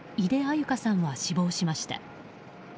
優香さんは死亡しました。